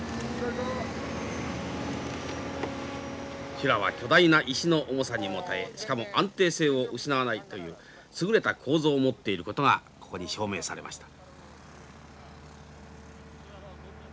修羅は巨大な石の重さにも耐えしかも安定性を失わないという優れた構造を持っていることがここに証明されました。